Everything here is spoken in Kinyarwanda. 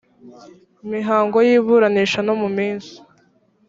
mihango y iburanisha no mu minsi